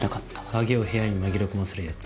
鍵を部屋に紛れ込ませるやつ。